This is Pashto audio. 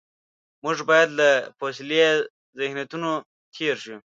موږ باید له فوسیلي ذهنیتونو تېر شو.